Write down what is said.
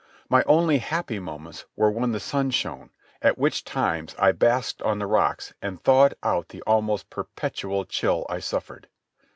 My only happy moments were when the sun shone, at which times I basked on the rocks and thawed out the almost perpetual chill I suffered.